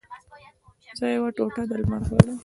زه یوه ټوټه د لمر غواړم